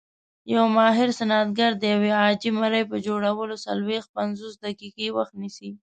یو ماهر صنعتګر د یوې عاجي مرۍ په جوړولو څلويښت - پنځوس دقیقې وخت نیسي.